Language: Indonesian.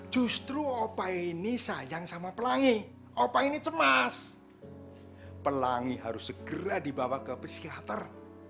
justru opa ini sayang sama pelangi opa ini cemas pelangi harus segera dibawa ke psikiater